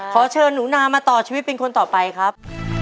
ขอเชิญหนูนามาต่อชีวิตเป็นคนต่อไปครับ